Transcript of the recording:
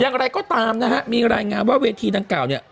อย่างไรก็ตามนะฮะมีรายงานว่าเวทีดังกล่าวเนี่ย